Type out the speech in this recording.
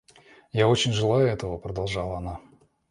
Я очень желаю этого, — продолжала она.